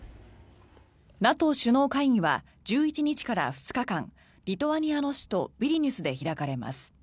ＮＡＴＯ首脳会議は１１日から２日間リトアニアの首都ビリニュスで開かれます。